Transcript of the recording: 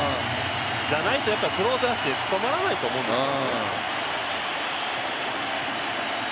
じゃないとクローザーって務まらないと思うんですよ。